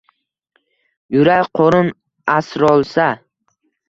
Yurak qo’rin asrolsa.